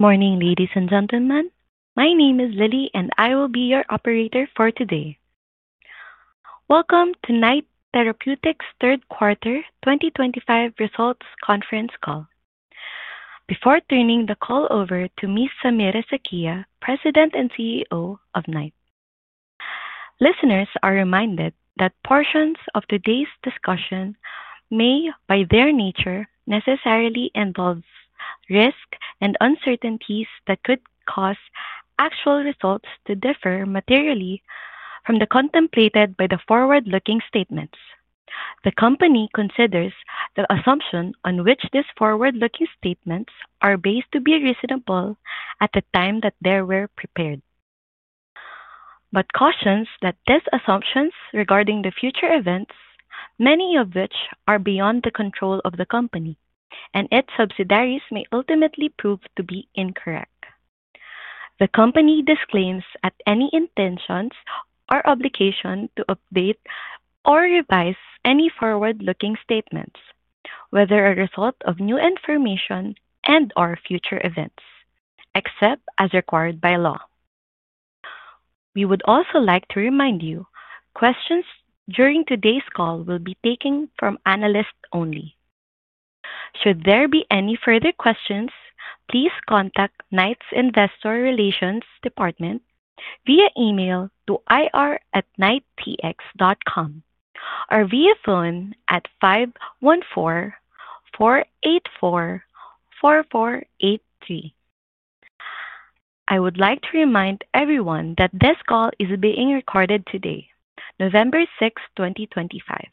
Morning, ladies and gentlemen. My name is Lilly, and I will be your operator for today. Welcome to Knight Therapeutics' third-quarter 2025 results conference call. Before turning the call over to Ms. Samira Sakhia, President and CEO of Knight. Listeners are reminded that portions of today's discussion may, by their nature, necessarily involve risk and uncertainties that could cause actual results to differ materially from the contemplated by the forward-looking statements. The company considers the assumption on which these forward-looking statements are based to be reasonable at the time that they were prepared. However, cautions that these assumptions regarding the future events, many of which are beyond the control of the company and its subsidiaries, may ultimately prove to be incorrect. The company disclaims any intentions or obligation to update or revise any forward-looking statements, whether a result of new information and/or future events, except as required by law. We would also like to remind you that questions during today's call will be taken from analysts only. Should there be any further questions, please contact Knight's Investor Relations Department via email to ir@knightpx.com or via phone at 514-484-4483. I would like to remind everyone that this call is being recorded today, November 6, 2025.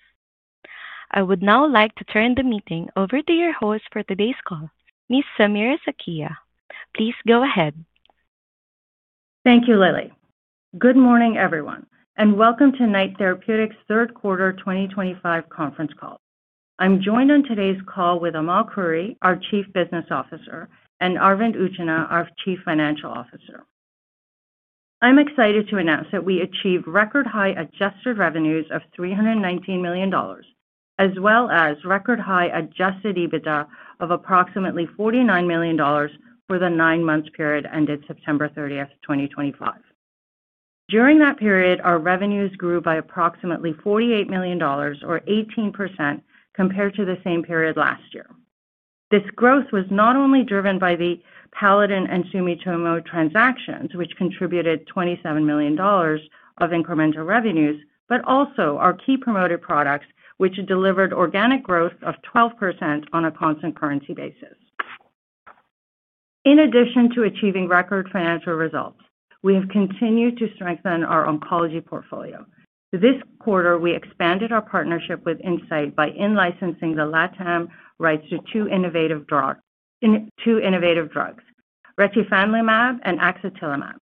I would now like to turn the meeting over to your host for today's call, Ms. Samira Sakhia. Please go ahead. Thank you, Lilly. Good morning, everyone, and welcome to Knight Therapeutics' third-quarter 2025 conference call. I'm joined on today's call with Amal Khouri, our Chief Business Officer, and Arvind Utchanah, our Chief Financial Officer. I'm excited to announce that we achieved record-high adjusted revenues of 319 million dollars, as well as record-high Adjusted EBITDA of approximately 49 million dollars for the nine-month period ended September 30th, 2025. During that period, our revenues grew by approximately 48 million dollars, or 18%, compared to the same period last year. This growth was not only driven by the Paladin and Sumitomo transactions, which contributed 27 million dollars of incremental revenues, but also our key promoted products, which delivered organic growth of 12% on a constant currency basis. In addition to achieving record financial results, we have continued to strengthen our oncology portfolio. This quarter, we expanded our partnership with Incyte by in-licensing the LATAM rights to two innovative drugs, retifanlimab and axatilimab.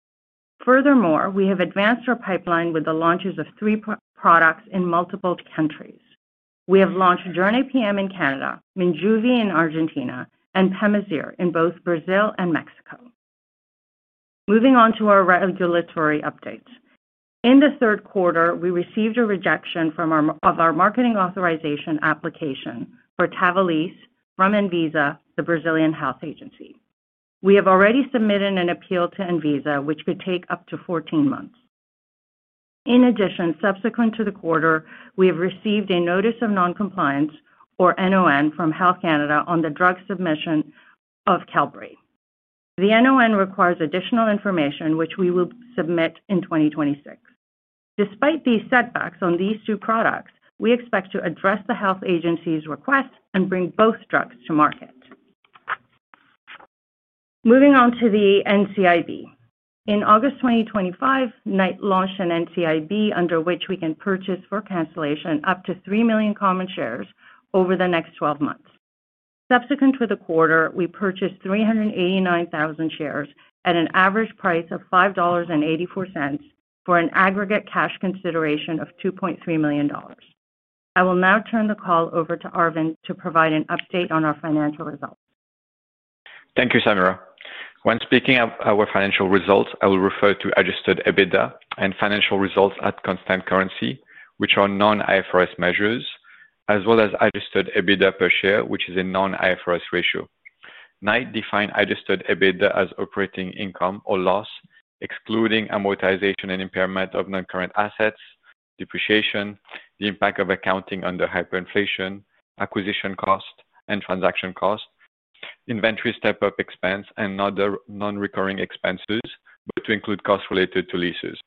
Furthermore, we have advanced our pipeline with the launches of three products in multiple countries. We have launched JORNAY PM in Canada, MINJUVI in Argentina, and PEMAZYRE in both Brazil and Mexico. Moving on to our regulatory updates. In the third quarter, we received a rejection of our marketing authorization application for TAVALISSE from Anvisa, the Brazilian Health Agency. We have already submitted an appeal to ANVISA, which could take up to 14 months. In addition, subsequent to the quarter, we have received a Notice of Noncompliance, or NON, from Health Canada on the drug submission of Qelbree. The NON requires additional information, which we will submit in 2026. Despite these setbacks on these two products, we expect to address the health agency's request and bring both drugs to market. Moving on to the NCIB. In August 2023, Knight launched an NCIB under which we can purchase for cancellation up to 3 million common shares over the next 12 months. Subsequent to the quarter, we purchased 389,000 shares at an average price of 5.84 dollars for an aggregate cash consideration of 2.3 million dollars. I will now turn the call over to Arvind to provide an update on our financial results. Thank you, Samira. When speaking of our financial results, I will refer to Adjusted EBITDA and financial results at constant currency, which are Non-IFRS measures, as well as Adjusted EBITDA per share, which is a Non-IFRS ratio. Knight defined Adjusted EBITDA as operating income or loss, excluding amortization and impairment of non-Current Assets, Depreciation, the impact of accounting under hyperinflation, acquisition cost and transaction cost, inventory step-up expense, and other non-recurring expenses, but to include costs related to leases.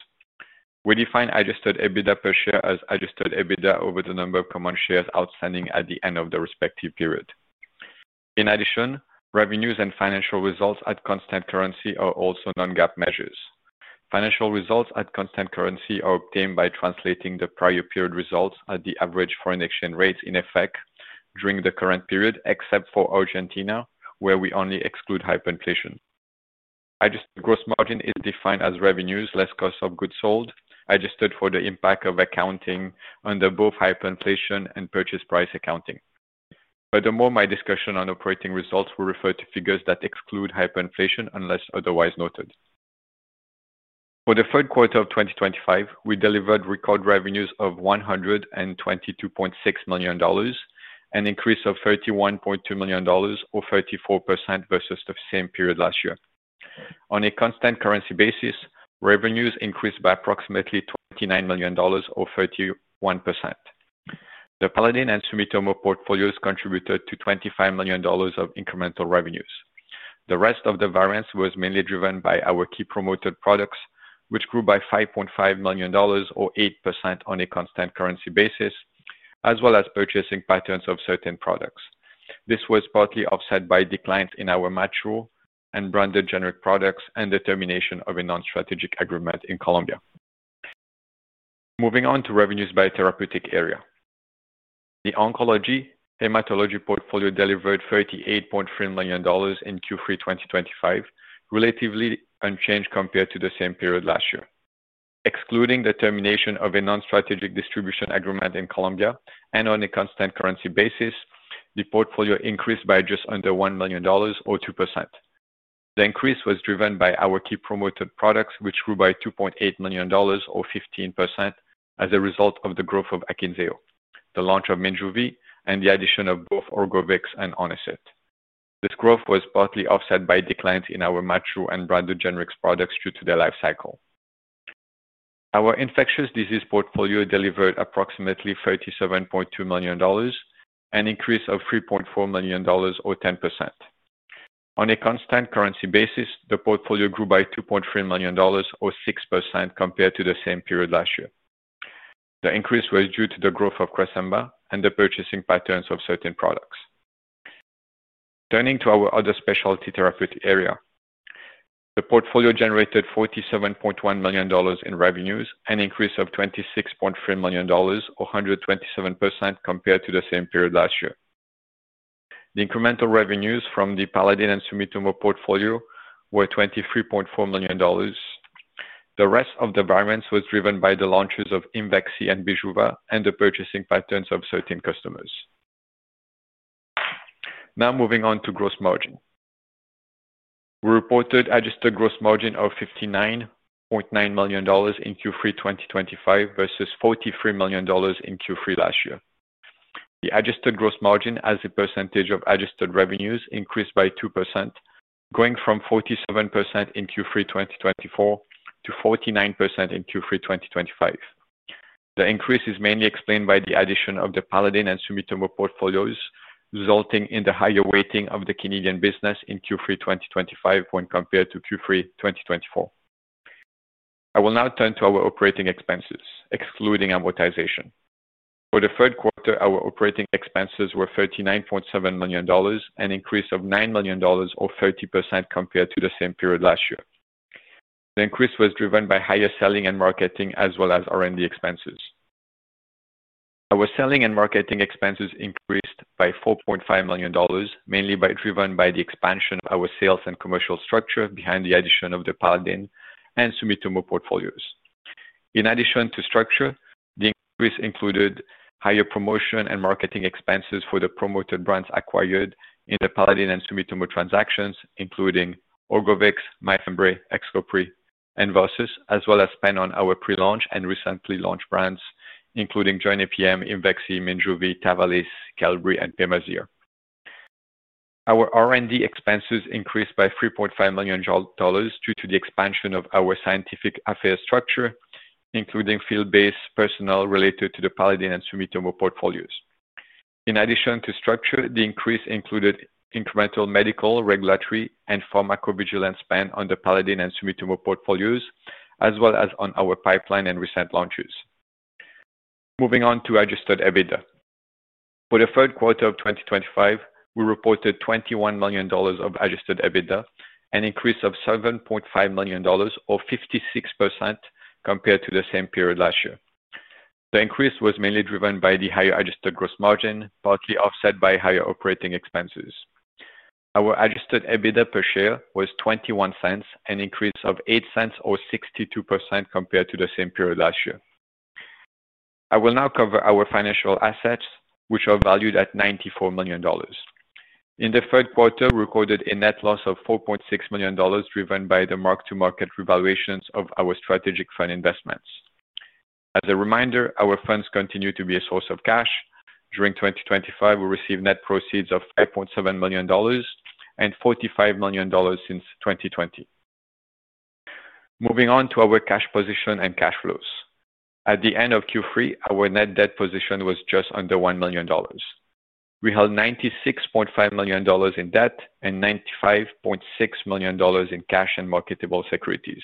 We define Adjusted EBITDA per share as Adjusted EBITDA over the number of common shares outstanding at the end of the respective period. In addition, revenues and financial results at constant currency are also Non-GAAP measures. Financial results at constant currency are obtained by translating the prior period results at the average foreign exchange rates in effect during the current period, except for Argentina, where we only exclude hyperinflation. Adjusted gross margin is defined as revenues less cost of goods sold adjusted for the impact of accounting under both hyperinflation and purchase price accounting. Furthermore, my discussion on operating results will refer to figures that exclude hyperinflation unless otherwise noted. For the third quarter of 2025, we delivered record revenues of 122.6 million dollars, an increase of 31.2 million dollars, or 34%, versus the same period last year. On a constant currency basis, revenues increased by approximately 29 million dollars, or 31%. The Paladin and Sumitomo portfolios contributed to 25 million dollars of incremental revenues. The rest of the variance was mainly driven by our key promoted products, which grew by 5.5 million dollars, or 8%, on a constant currency basis, as well as purchasing patterns of certain products. This was partly offset by declines in our match rule and branded generic products and the termination of a non-strategic agreement in Colombia. Moving on to revenues by therapeutic area. The oncology/hematology portfolio delivered 38.3 million dollars in Q3 2025, relatively unchanged compared to the same period last year. Excluding the termination of a non-strategic distribution agreement in Colombia and on a constant currency basis, the portfolio increased by just under 1 million dollars, or 2%. The increase was driven by our key promoted products, which grew by 2.8 million dollars, or 15%, as a result of the growth of AKYNZEO, the launch of MINJUVI, and the addition of both ORGOVYX and ONICIT. This growth was partly offset by declines in our mature and branded generics products due to the life cycle. Our infectious disease portfolio delivered approximately 37.2 million dollars, an increase of 3.4 million dollars, or 10%. On a constant currency basis, the portfolio grew by 2.3 million dollars, or 6%, compared to the same period last year. The increase was due to the growth of CRESEMBA and the purchasing patterns of certain products. Turning to our other specialty therapeutic area. The portfolio generated 47.1 million dollars in revenues, an increase of 26.3 million dollars, or 127%, compared to the same period last year. The incremental revenues from the Paladin and Sumitomo portfolio were 23.4 million dollars. The rest of the variance was driven by the launches of IMVEXXY and BIJUVA, and the purchasing patterns of certain customers. Now moving on to gross margin. We reported adjusted gross margin of 59.9 million dollars in Q3 2025 versus 43 million dollars in Q3 last year. The adjusted gross margin, as a percentage of adjusted revenues, increased by 2%, going from 47% in Q3 2024 to 49% in Q3 2025. The increase is mainly explained by the addition of the Paladin and Sumitomo portfolios, resulting in the higher weighting of the Canadian business in Q3 2025 when compared to Q3 2024. I will now turn to our operating expenses, excluding amortization. For the third quarter, our operating expenses were 39.7 million dollars, an increase of 9 million dollars, or 30%, compared to the same period last year. The increase was driven by higher selling and marketing, as well as R&D expenses. Our selling and marketing expenses increased by 4.5 million dollars, mainly driven by the expansion of our sales and commercial structure behind the addition of the Paladin and Sumitomo portfolios. In addition to structure, the increase included higher promotion and marketing expenses for the promoted brands acquired in the Paladin and Sumitomo transactions, including ORGOVYX, MYFEMBREE, XCOPRI, and ENVARSUS, as well as spend on our pre-launch and recently launched brands, including JORNAY PM, IMVEXXY, MINJUVI, TAVALISSE, Qelbree, and PEMAZYRE. Our R&D expenses increased by 3.5 million dollars due to the expansion of our scientific affairs structure, including field-based personnel related to the Paladin and Sumitomo portfolios. In addition to structure, the increase included incremental medical, regulatory, and pharmacovigilance spend on the Paladin and Sumitomo portfolios, as well as on our pipeline and recent launches. Moving on to Adjusted EBITDA. For the third quarter of 2025, we reported 21 million dollars of Adjusted EBITDA, an increase of 7.5 million dollars, or 56%, compared to the same period last year. The increase was mainly driven by the higher adjusted gross margin, partly offset by higher operating expenses. Our Adjusted EBITDA per share was 0.21, an increase of 0.08, or 62%, compared to the same period last year. I will now cover our financial assets, which are valued at 94 million dollars. In the third quarter, we recorded a net loss of 4.6 million dollars, driven by the mark-to-market revaluations of our strategic fund investments. As a reminder, our funds continue to be a source of cash. During 2023, we received net proceeds of 5.7 million dollars and 45 million dollars since 2020. Moving on to our cash position and cash flows. At the end of Q3, our net debt position was just under 1 million dollars. We held 96.5 million dollars in debt and 95.6 million dollars in cash and marketable securities.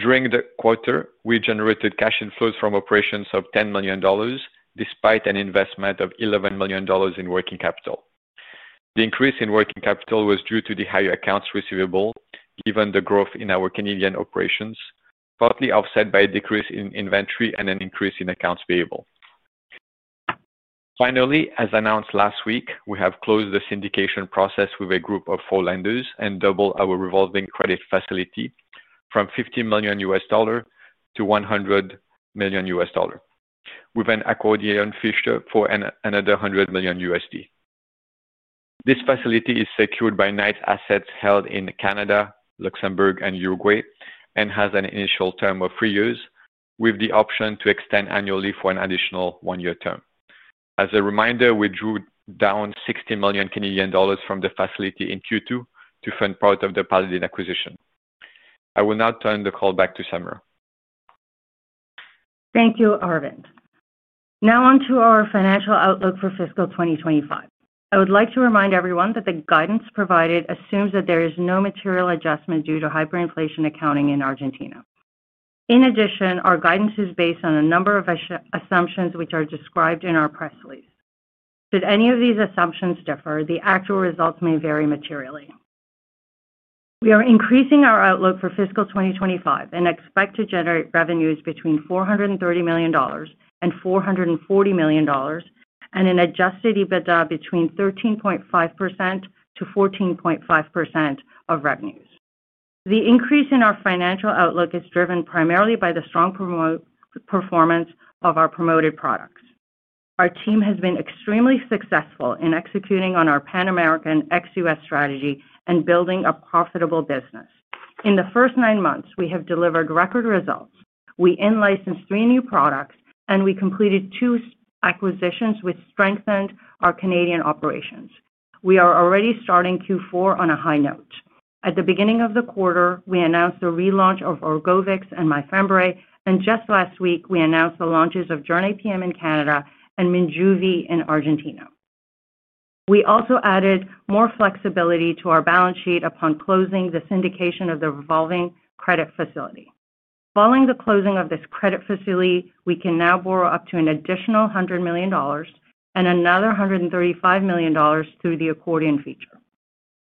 During the quarter, we generated cash inflows from operations of 10 million dollars, despite an investment of 11 million dollars in working capital. The increase in working capital was due to the higher accounts receivable, given the growth in our Canadian operations, partly offset by a decrease in inventory and an increase in accounts payable. Finally, as announced last week, we have closed the syndication process with a group of four lenders and doubled our revolving credit facility from $50 million-$100 million, with an accordion feature for another $100 million. This facility is secured by Knight's assets held in Canada, Luxembourg, and Uruguay, and has an initial term of three years, with the option to extend annually for an additional one-year term. As a reminder, we drew down 60 million Canadian dollars from the facility in Q2 to fund part of the Paladin acquisition. I will now turn the call back to Samira. Thank you, Arvind. Now on to our financial outlook for fiscal 2025. I would like to remind everyone that the guidance provided assumes that there is no material adjustment due to hyperinflation accounting in Argentina. In addition, our guidance is based on a number of assumptions which are described in our press release. Should any of these assumptions differ, the actual results may vary materially. We are increasing our outlook for fiscal 2025 and expect to generate revenues between 430 million dollars and 440 million dollars, and an Adjusted EBITDA between 13.5%-14.5% of revenues. The increase in our financial outlook is driven primarily by the strong performance of our promoted products. Our team has been extremely successful in executing on our Pan-American ex-U.S. strategy and building a profitable business. In the first nine months, we have delivered record results. We in-licensed three new products, and we completed two acquisitions which strengthened our Canadian operations. We are already starting Q4 on a high note. At the beginning of the quarter, we announced the relaunch of ORGOVYX and MYFEMBREE, and just last week, we announced the launches of JORNAY PM in Canada and MINJUVI in Argentina. We also added more flexibility to our balance sheet upon closing the syndication of the revolving credit facility. Following the closing of this credit facility, we can now borrow up to an additional 100 million dollars and another 135 million dollars through the accordion feature.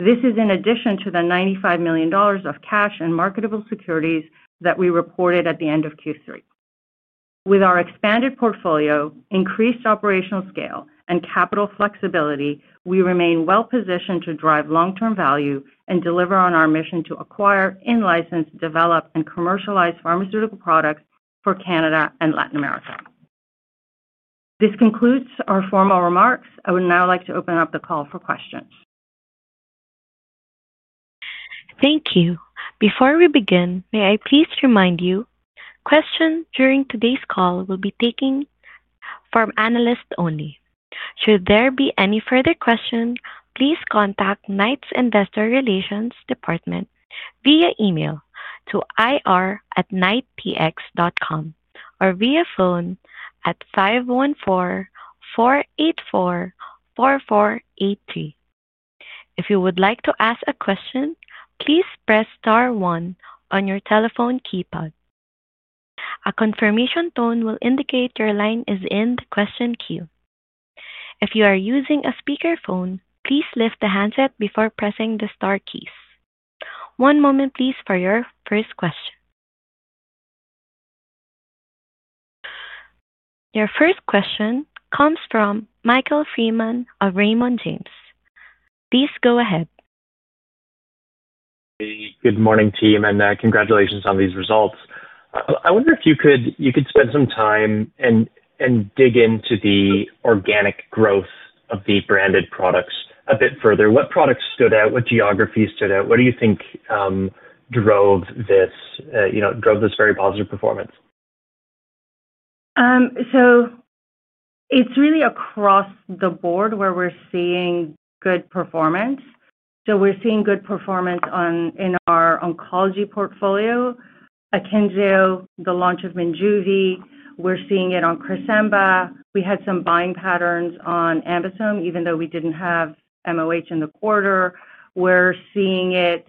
This is in addition to the 95 million dollars of cash and marketable securities that we reported at the end of Q3. With our expanded portfolio, increased operational scale, and capital flexibility, we remain well-positioned to drive long-term value and deliver on our mission to acquire, in-license, develop, and commercialize pharmaceutical products for Canada and Latin America. This concludes our formal remarks. I would now like to open up the call for questions. Thank you. Before we begin, may I please remind you questions during today's call will be taken from analysts only. Should there be any further questions, please contact Knight's Investor Relations Department via email to ir@knightpx.com or via phone at 514-484-4483. If you would like to ask a question, please press star one on your telephone keypad. A confirmation tone will indicate your line is in the question queue. If you are using a speakerphone, please lift the handset before pressing the star keys. One moment, please, for your first question. Your first question comes from Michael Freeman of Raymond James. Please go ahead. Good morning, team, and congratulations on these results. I wonder if you could spend some time and dig into the organic growth of the branded products a bit further. What products stood out? What geographies stood out? What do you think drove this very positive performance? It's really across the board where we're seeing good performance. We're seeing good performance in our oncology portfolio, AKYNZEO, the launch of MINJUVI. We're seeing it on CRESEMBA. We had some buying patterns on AmBisome, even though we didn't have MOH in the quarter. We're seeing it.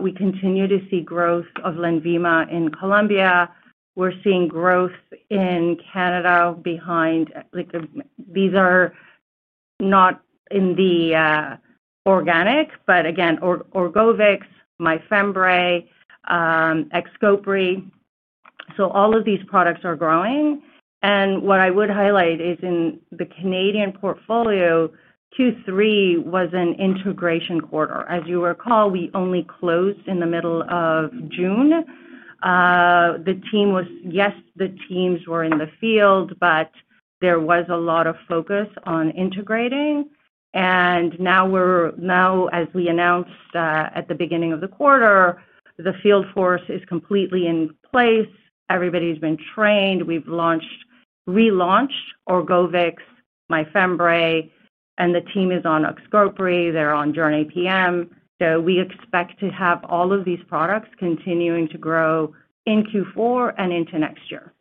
We continue to see growth of LENVIMA in Colombia. We're seeing growth in Canada behind. These are not in the organic, but again, ORGOVYX, MYFEMBREE, XCOPRI. So all of these products are growing. What I would highlight is in the Canadian portfolio, Q3 was an integration quarter. As you recall, we only closed in the middle of June. Yes, the teams were in the field, but there was a lot of focus on integrating. Now, as we announced at the beginning of the quarter, the field force is completely in place. Everybody's been trained. We've relaunched ORGOVYX, MYFEMBREE, and the team is on XCOPRI. They're on JORNAY PM. We expect to have all of these products continuing to grow in Q4 and into next year.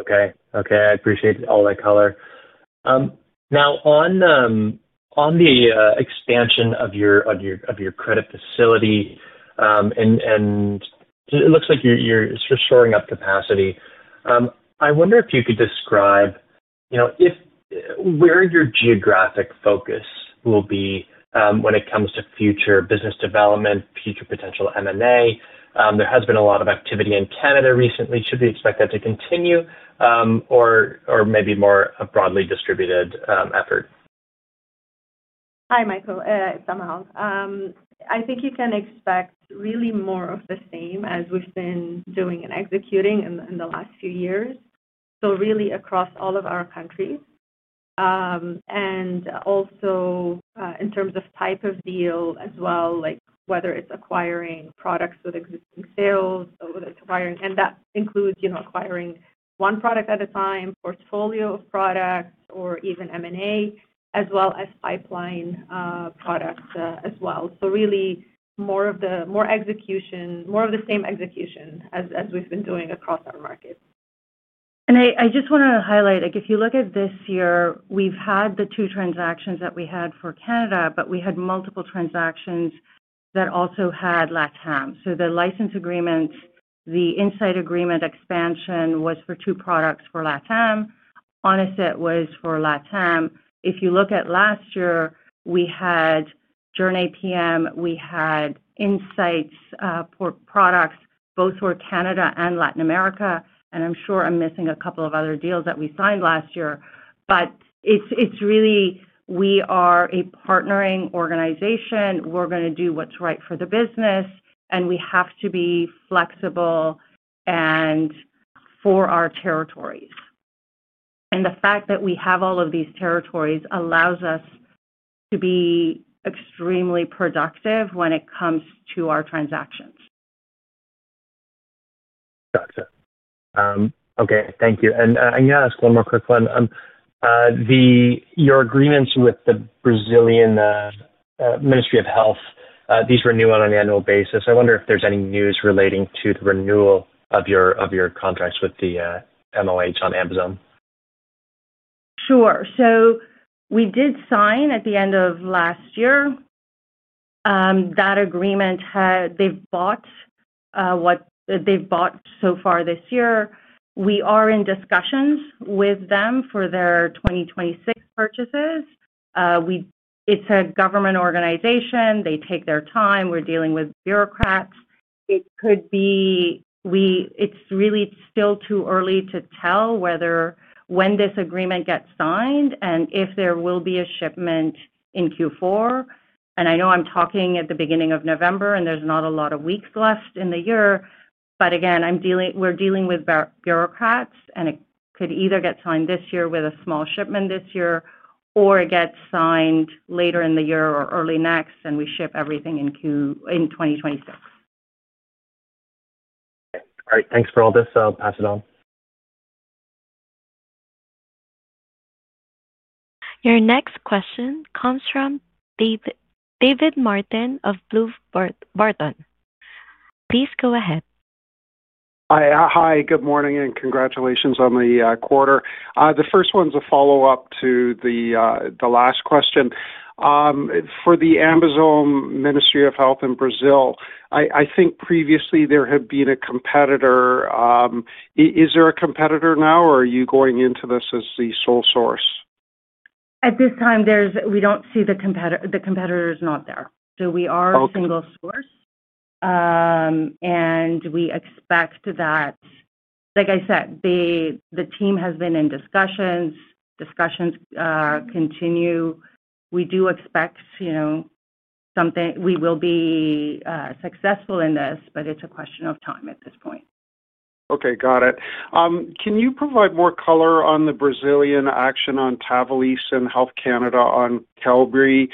Okay. Okay. I appreciate all that color. Now, on the expansion of your credit facility. It looks like you're sort of shoring up capacity. I wonder if you could describe where your geographic focus will be when it comes to future business development, future potential M&A. There has been a lot of activity in Canada recently. Should we expect that to continue or maybe more a broadly distributed effort? Hi, Michael. It's Amal. I think you can expect really more of the same as we've been doing and executing in the last few years, really across all of our countries. Also, in terms of type of deal as well, whether it's acquiring products with existing sales or whether it's acquiring—and that includes acquiring one product at a time, portfolio of products, or even M&A, as well as pipeline products as well. Really more of the same execution as we've been doing across our market. I just want to highlight, if you look at this year, we've had the two transactions that we had for Canada, but we had multiple transactions that also had LATAM. The license agreement, the Incyte agreement expansion was for two products for LATAM. Honestly, it was for LATAM. If you look at last year, we had JORNAY PM, we had Insights. Products, both for Canada and Latin America. I'm sure I'm missing a couple of other deals that we signed last year. It is really we are a partnering organization. We're going to do what's right for the business, and we have to be flexible. For our territories, the fact that we have all of these territories allows us to be extremely productive when it comes to our transactions. Gotcha. Okay. Thank you. Can I ask one more quick one? Your agreements with the Brazilian Ministry of Health, these renew on an annual basis. I wonder if there's any news relating to the renewal of your contracts with the MOH on Amazon. Sure. We did sign at the end of last year that agreement. They've bought what they've bought so far this year. We are in discussions with them for their 2026 purchases. It's a government organization. They take their time. We're dealing with bureaucrats. It could be. It's really still too early to tell whether or when this agreement gets signed and if there will be a shipment in Q4. I know I'm talking at the beginning of November, and there's not a lot of weeks left in the year. Again, we're dealing with bureaucrats, and it could either get signed this year with a small shipment this year, or it gets signed later in the year or early next, and we ship everything in 2026. Okay. All right. Thanks for all this. I'll pass it on. Your next question comes from David Martin of Bloom Burton. Please go ahead. Hi. Good morning and congratulations on the quarter. The first one's a follow-up to the last question. For the Amazon Ministry of Health in Brazil, I think previously there had been a competitor. Is there a competitor now, or are you going into this as the sole source? At this time, we don't see the competitor. The competitor is not there. We are a single source. We expect that. Like I said, the team has been in discussions. Discussions continue. We do expect something. We will be successful in this, but it's a question of time at this point. Okay. Got it. Can you provide more color on the Brazilian action on TAVALISSEand Health Canada on Qelbree?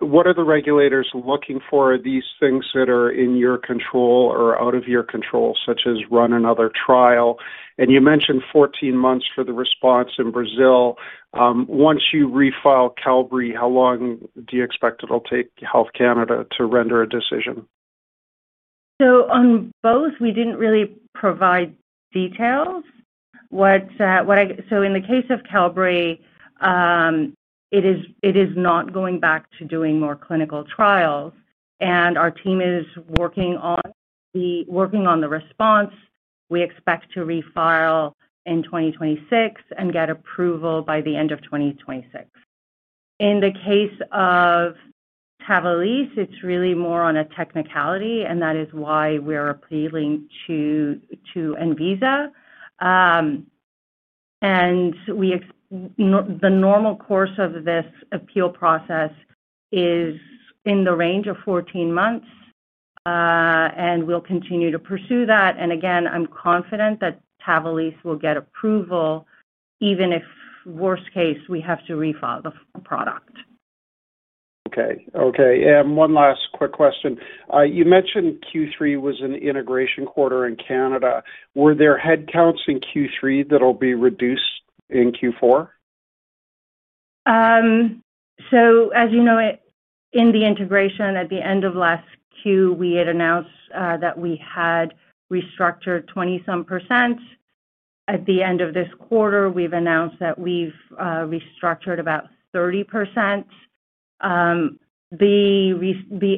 What are the regulators looking for? Are these things that are in your control or out of your control, such as run another trial? You mentioned 14 months for the response in Brazil. Once you refile Qelbree, how long do you expect it'll take Health Canada to render a decision? On both, we didn't really provide details. In the case of Qelbree, it is not going back to doing more clinical trials. Our team is working on the response. We expect to refile in 2026 and get approval by the end of 2026. In the case of TAVALISSE, it's really more on a technicality, and that is why we're appealing to ANVISA. The normal course of this appeal process is in the range of 14 months. We'll continue to pursue that. Again, I'm confident that TAVALISSE will get approval even if, worst case, we have to refile the product. Okay. Okay. One last quick question. You mentioned Q3 was an integration quarter in Canada. Were there headcounts in Q3 that'll be reduced in Q4? As you know, in the integration, at the end of last Q, we had announced that we had restructured 20-some %. At the end of this quarter, we've announced that we've restructured about 30%. The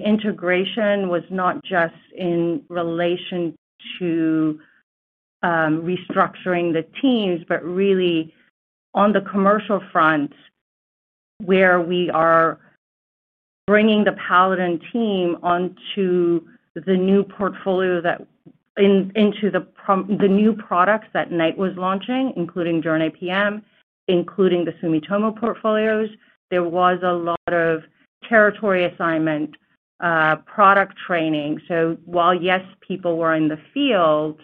integration was not just in relation to restructuring the teams, but really on the commercial front, where we are bringing the Paladin team onto the new portfolio, into the new products that Knight was launching, including JORNAY PM, including the Sumitomo portfolios. There was a lot of territory assignment, product training. While, yes, people were in the field,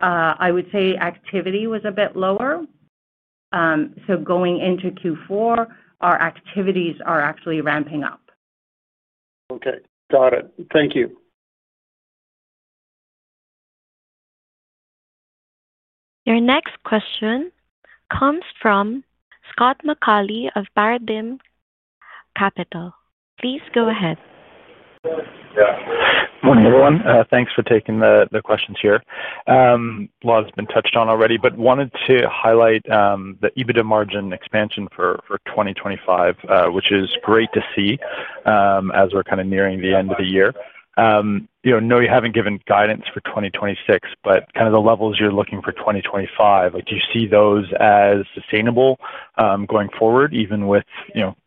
I would say activity was a bit lower. Going into Q4, our activities are actually ramping up. Okay. Got it. Thank you. Your next question comes from Scott McAuley of Paradigm Capital. Please go ahead. Morning, everyone. Thanks for taking the questions here. A lot has been touched on already, but wanted to highlight the EBITDA margin expansion for 2025, which is great to see. As we're kind of nearing the end of the year, I know you haven't given guidance for 2026, but kind of the levels you're looking for 2025, do you see those as sustainable going forward, even with,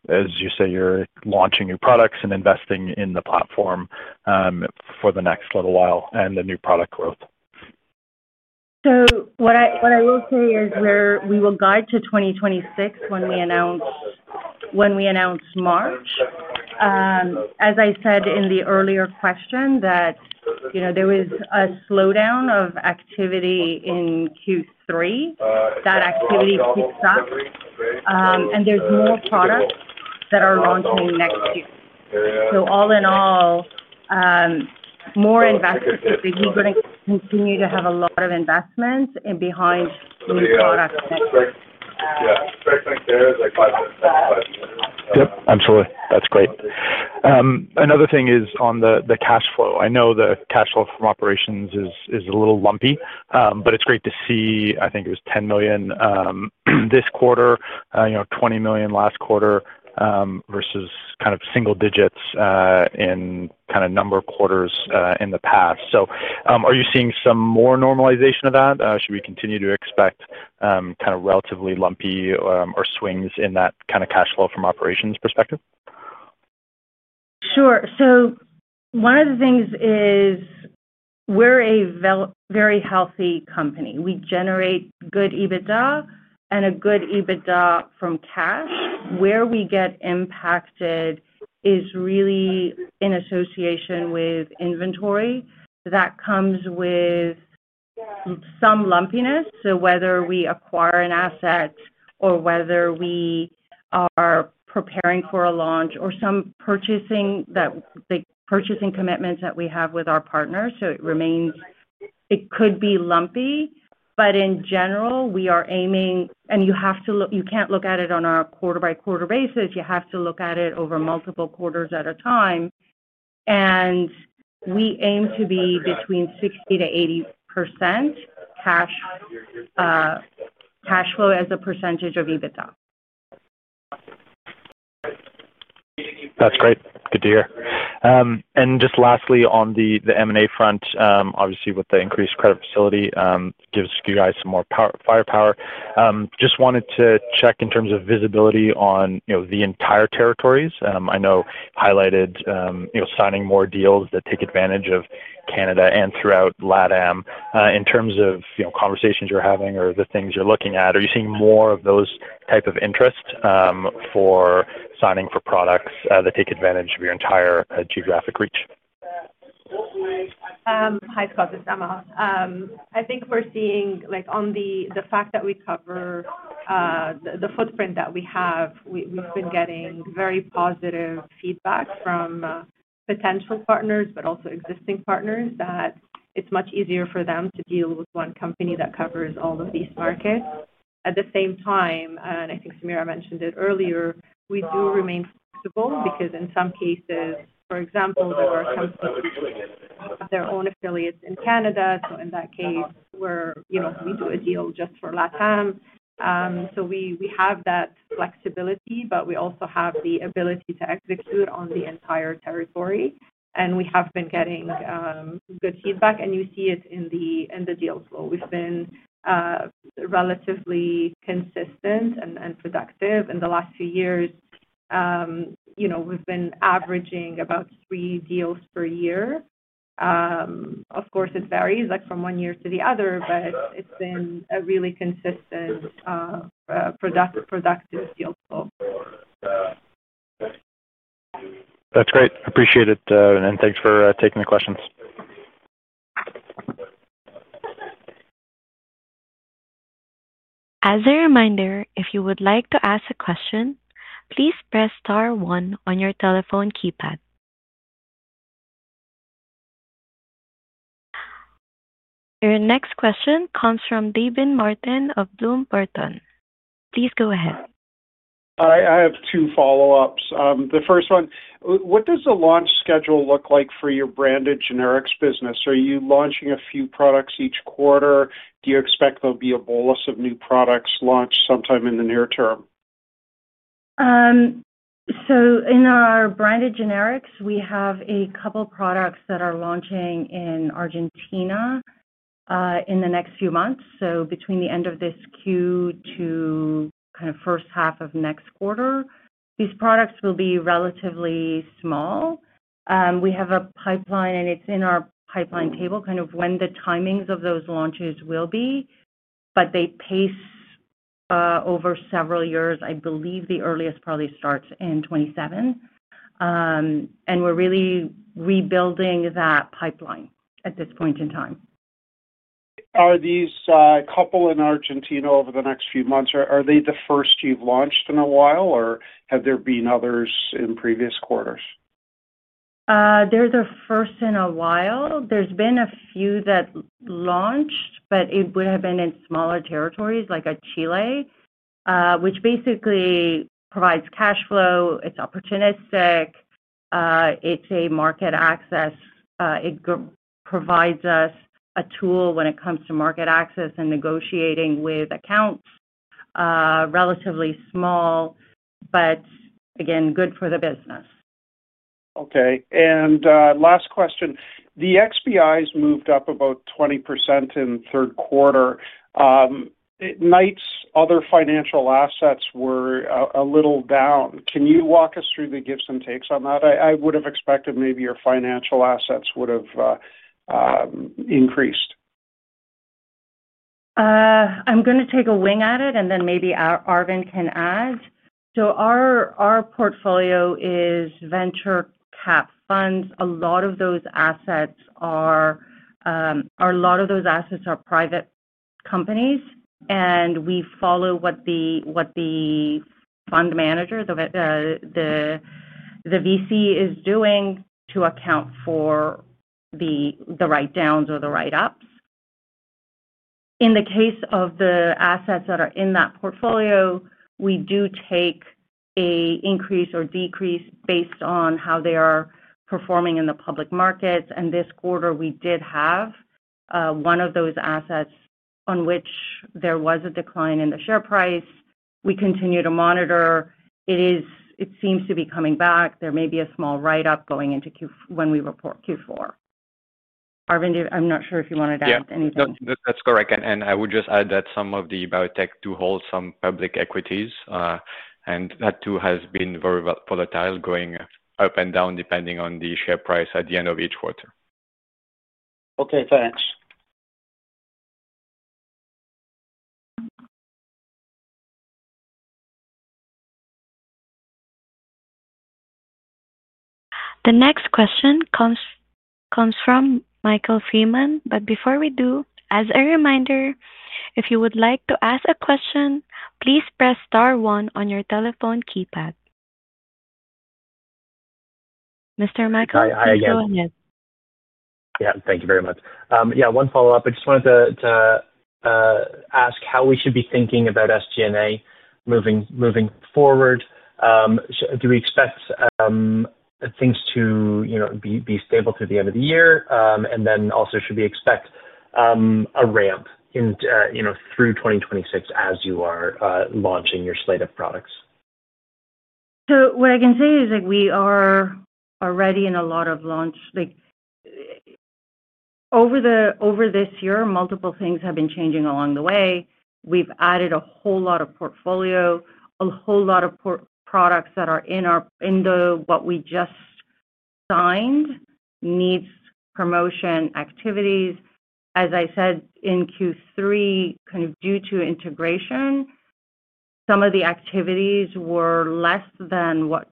as you say, you're launching new products and investing in the platform for the next little while and the new product growth? What I will say is we will guide to 2026 when we announce. March. As I said in the earlier question, that there was a slowdown of activity in Q3. That activity kicked up. There are more products that are launching next year. All in all, more investors, we're going to continue to have a lot of investments behind new products next year. Yeah. Expect like there's like 5%-5%. Yep. Absolutely. That's great. Another thing is on the cash flow. I know the cash flow from operations is a little lumpy, but it's great to see. I think it was 10 million this quarter, 20 million last quarter versus kind of single digits in kind of number quarters in the past. Are you seeing some more normalization of that? Should we continue to expect kind of relatively lumpy or swings in that kind of cash flow from operations perspective? Sure. One of the things is, we're a very healthy company. We generate good EBITDA and a good EBITDA from cash. Where we get impacted is really in association with inventory. That comes with some lumpiness. Whether we acquire an asset or whether we are preparing for a launch or some purchasing commitments that we have with our partners, it could be lumpy. In general, we are aiming—you can't look at it on a quarter-by-quarter basis. You have to look at it over multiple quarters at a time. We aim to be between 60%-80% cash flow as a percentage of EBITDA. That's great. Good to hear. Just lastly, on the M&A front, obviously, with the increased credit facility, it gives you guys some more firepower. Just wanted to check in terms of visibility on the entire territories. I know you highlighted signing more deals that take advantage of Canada and throughout LATAM. In terms of conversations you're having or the things you're looking at, are you seeing more of those types of interest for signing for products that take advantage of your entire geographic reach? Hi, Scott. It's Amal. I think we're seeing on the fact that we cover the footprint that we have, we've been getting very positive feedback from potential partners, but also existing partners, that it's much easier for them to deal with one company that covers all of these markets at the same time. I think Samira mentioned it earlier, we do remain flexible because in some cases, for example, there are companies that have their own affiliates in Canada. In that case, we do a deal just for LATAM. We have that flexibility, but we also have the ability to execute on the entire territory. We have been getting good feedback, and you see it in the deal flow. We've been relatively consistent and productive. In the last few years, we've been averaging about three deals per year. Of course, it varies from one year to the other, but it's been a really consistent, productive deal flow. That's great. Appreciate it. Thanks for taking the questions. As a reminder, if you would like to ask a question, please press star one on your telephone keypad. Your next question comes from David Martin of Bloom Burton. Please go ahead. I have two follow-ups. The first one, what does the launch schedule look like for your branded generics business? Are you launching a few products each quarter? Do you expect there'll be a bolus of new products launched sometime in the near term? In our branded generics, we have a couple of products that are launching in Argentina in the next few months. Between the end of this Q to kind of first half of next quarter, these products will be relatively small. We have a pipeline, and it's in our pipeline table, kind of when the timings of those launches will be. They pace over several years. I believe the earliest probably starts in 2027. We're really rebuilding that pipeline at this point in time. Are these a couple in Argentina over the next few months? Are they the first you've launched in a while, or have there been others in previous quarters? They're the first in a while. There's been a few that launched, but it would have been in smaller territories like Chile, which basically provides cash flow. It's opportunistic. It's a market access. It provides us a tool when it comes to market access and negotiating with accounts. Relatively small. Again, good for the business. Okay. Last question. The XBIs moved up about 20% in third quarter. Knight's other financial assets were a little down. Can you walk us through the gifts and takes on that? I would have expected maybe your financial assets would have increased. I'm going to take a wing at it, and then maybe Arvind can add. Our portfolio is venture cap funds. A lot of those assets are private companies. We follow what the fund manager, the VC, is doing to account for the write-downs or the write-ups. In the case of the assets that are in that portfolio, we do take an increase or decrease based on how they are performing in the public markets. This quarter, we did have one of those assets on which there was a decline in the share price. We continue to monitor. It seems to be coming back. There may be a small write-up going into when we report Q4. Arvind, I'm not sure if you wanted to add anything. Yes. That's correct. I would just add that some of the biotech do hold some public equities. That too has been very volatile, going up and down depending on the share price at the end of each quarter. Okay. Thanks. The next question comes from Michael Freeman. As a reminder, if you would like to ask a question, please press star one on your telephone keypad. Mr. Michael, please go ahead. Hi. Hi, again. Yeah. Thank you very much. Yeah. One follow-up. I just wanted to ask how we should be thinking about SG&A moving forward. Do we expect things to be stable through the end of the year? Also, should we expect a ramp through 2026 as you are launching your slate of products? What I can say is we are ready in a lot of launches. Over this year, multiple things have been changing along the way. We've added a whole lot of portfolio, a whole lot of products that are in. What we just signed needs promotion activities. As I said, in Q3, kind of due to integration, some of the activities were less than what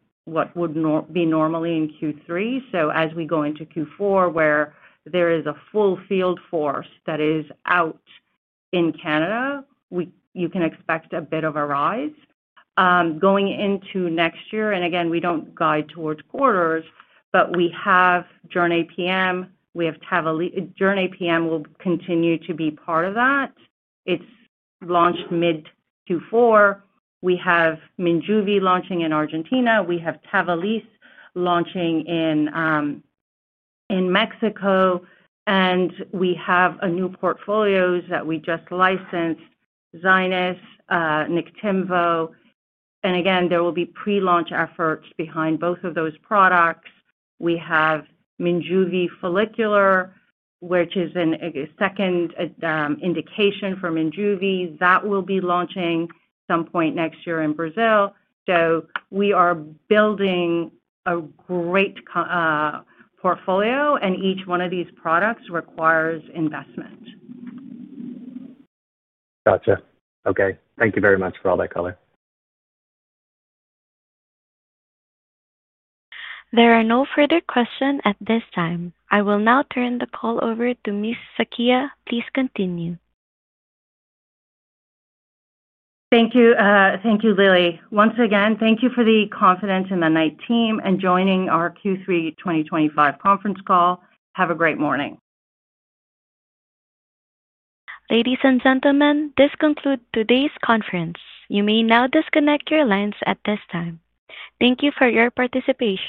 would be normally in Q3. As we go into Q4, where there is a full field force that is out in Canada, you can expect a bit of a rise. Going into next year, and again, we don't guide towards quarters, but we have JORNAY PM. We have JORNAY PM will continue to be part of that. It's launched mid-Q4. We have MINJUVI launching in Argentina. We have TAVALISSE launching in Mexico. And we have new portfolios that we just licensed: ZYNYZ, Nektinvo. There will be pre-launch efforts behind both of those products. We have MINJUVI Follicular, which is a second indication for MINJUVI that will be launching some point next year in Brazil. We are building a great portfolio, and each one of these products requires investment. Gotcha. Okay. Thank you very much for the color. There are no further questions at this time. I will now turn the call over to Ms. Sakhia. Please continue. Thank you, Lilly. Once again, thank you for the confidence in the Knight team and joining our Q3 2025 conference call. Have a great morning. Ladies and gentlemen, this concludes today's conference. You may now disconnect your lines at this time. Thank you for your participation.